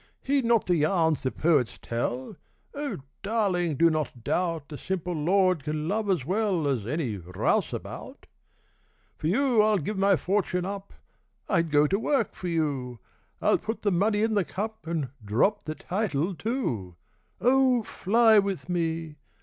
Heed not the yarns the poets tell Oh, darling, do not doubt A simple lord can love as well As any rouseabout! 'For you I'll give my fortune up I'd go to work for you! I'll put the money in the cup And drop the title, too. Oh, fly with me!